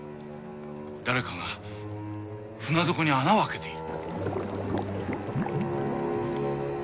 誰かが船底に穴を開けている。